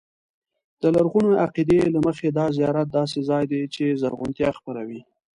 د لرغوني عقیدې له مخې دا زیارت داسې ځای دی چې زرغونتیا خپروي.